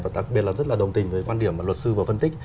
và đặc biệt là rất là đồng tình với quan điểm mà luật sư vừa phân tích